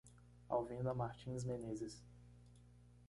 Alvina Martins Menezes